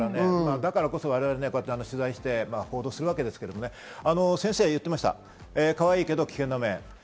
だからこそ我々は取材して報道するわけですけど、先生が言ってました、かわいいけど危険な面。